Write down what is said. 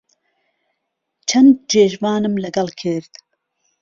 چەند جێژوانم لەگەڵ کرد